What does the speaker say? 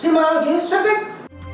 xin mời đồng chí xuất kích